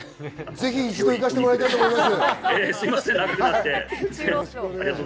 ぜひ一度行かせてもらいたいと思います。